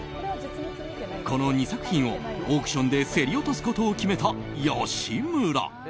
この２作品をオークションで競り落とすことを決めた吉村。